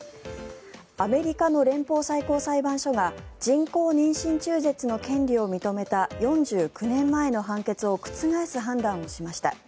アメリカの連邦最高裁判所が人工妊娠中絶の権利を認めた４９年前の判決を覆す判断をしました。